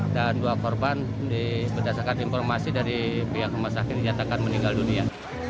dan dua korban diberdasarkan informasi dari pihak rumah sakit yang dikatakan meninggal dunia